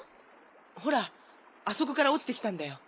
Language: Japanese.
ほらあそこから落ちてきたんだよ